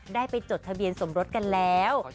ได้ไปจดทะเบียนสมรสกันแล้ว